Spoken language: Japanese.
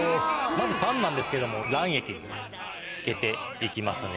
まずパンなんですけども卵液につけて行きますね。